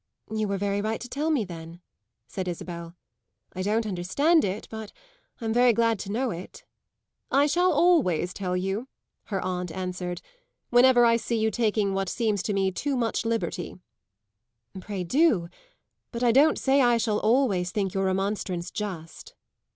"You were very right to tell me then," said Isabel. "I don't understand it, but I'm very glad to know it. "I shall always tell you," her aunt answered, "whenever I see you taking what seems to me too much liberty." "Pray do; but I don't say I shall always think your remonstrance just."